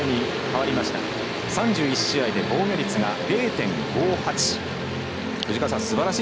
３１試合で防御率が０．５８。